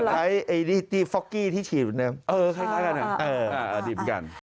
ใช้ตีฟอกกี้ที่ฉีดเหมือนเดิม